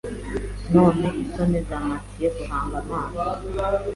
Noneho isoni zampatiye guhanga amaso